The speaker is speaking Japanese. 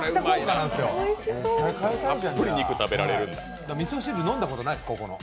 だからみそ汁飲んだことないです、ここの。